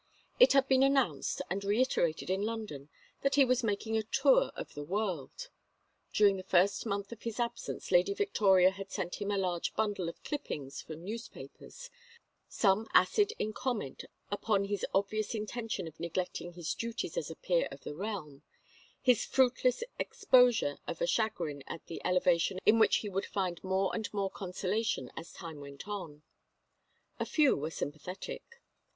It had been announced and reiterated in London that he was making a tour of the world. During the first month of his absence Lady Victoria had sent him a large bundle of clippings from newspapers, some acid in comment upon his obvious intention of neglecting his duties as a peer of the realm, his fruitless exposure of a chagrin at an elevation in which he would find more and more consolation as time went on. A few were sympathetic.